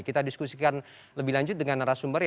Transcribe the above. kita diskusikan lebih lanjut dengan narasumber